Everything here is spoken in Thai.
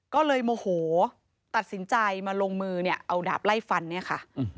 ก็เลยโมโหตัดสินใจมาลงมือเนี่ยเอาดาบไล่ฟันเนี่ยค่ะ